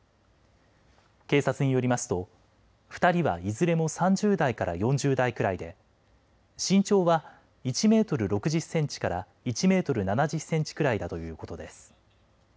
警察によりますと２人はいずれも３０代から４０代くらいで身長は１メートル６０センチから１メートル７０センチくらいだということです。